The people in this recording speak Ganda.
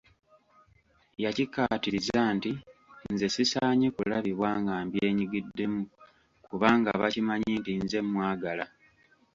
Yakikkaatiriza nti nze sisaanye kulabibwa nga mbyenyigiddemu kubanga bakimanyi nti nze mmwagala.